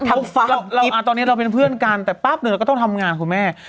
ตอนนี้เราเป็นเพื่อนกันแต่แป๊บหนึ่งเราก็ต้องทำงานคุณแม่